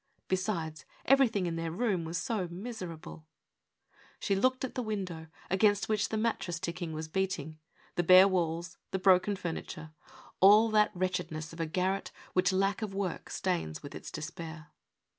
Besides, everything in their room was so miserable I She looked at the window, against which the mattress ticking was beating, the bare walls, the broken furniture, all that wretchedness of a garret which lack of work stains with its despair.